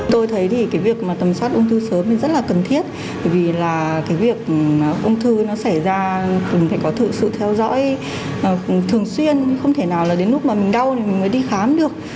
tôi thấy việc tầm soát ung thư sớm rất là cần thiết vì việc ung thư xảy ra mình phải có sự theo dõi thường xuyên không thể nào đến lúc mình đau mình mới đi khám được